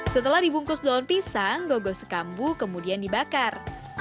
setelah dibungkus daun pisang gogos kambu kemudian dibakar